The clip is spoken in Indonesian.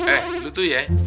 eh lu tuh ya